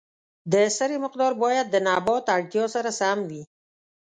د سرې مقدار باید د نبات اړتیا سره سم وي.